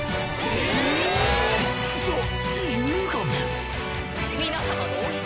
えっ！